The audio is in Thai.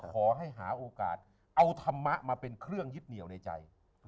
ขอให้หาโอกาสเอาธรรมะมาเป็นเครื่องยึดเหนียวในใจ